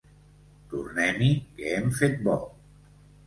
Tornem-hi que hem fet bo.